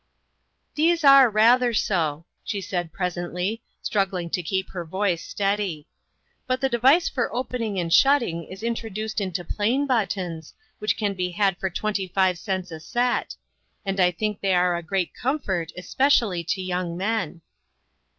" These are rather so," she said presently, struggling to keep her voice steady, "but the device for opening and shutting is introduced into plain buttons, which can be had for twenty five cents a set ; and I think they are a great comfort especially to young men."